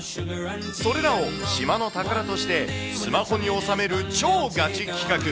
それらを島の宝として、スマホに収める超ガチ企画。